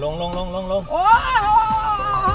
ผู้ชีพเราบอกให้สุจรรย์ว่า๒